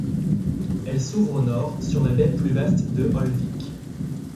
Elle s'ouvre au nord sur la baie plus vaste de Höllvik.